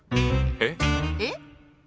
えっ？えっ？